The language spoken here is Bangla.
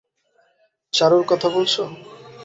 চারুর কথা বলছো?